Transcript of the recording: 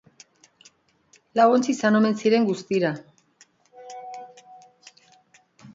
Lau ontzi izan omen ziren guztira.